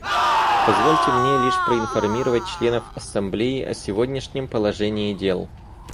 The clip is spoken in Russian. Позвольте мне лишь проинформировать членов Ассамблеи о сегодняшнем положении дел.